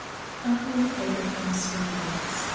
UNCLE ABRAHAM'S ROMANCE.